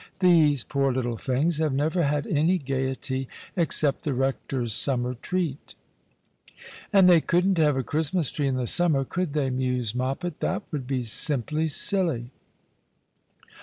These poor little things have never had any gaiety, except the rector's summer treat." " And they couldn't have a Christmas tree in the summer, could they ?" mused Moppet. " That would be simply silly."